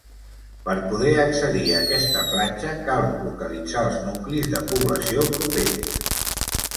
Per poder accedir a aquesta platja cal localitzar els nuclis de població propers.